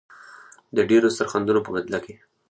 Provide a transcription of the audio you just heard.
د ډیرو سرښندنو په بدله کې.